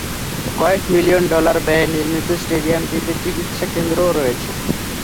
কয়েক million dollar ব্যয়ে নির্মিত স্টেডিয়ামটিতে চিকিৎসা কেন্দ্রও রয়েছে।